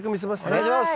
お願いします。